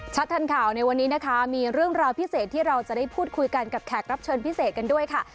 ชัดทันข่าวในวันนี้นะคะมีเรื่องราวพิเศษที่เราจะได้พูดคุยกันกับแขกรับเชิญพิเศษกันด้วยค่ะ